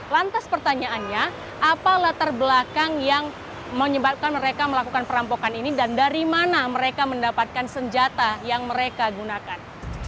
lantas pertanyaannya apa latar belakang yang menyebabkan mereka melakukan perampokan ini dan dari mana mereka mendapatkan senjata yang mereka gunakan